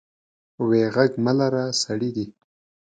وې غږ مه لره سړي دي.